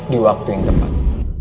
di waktu yang tepat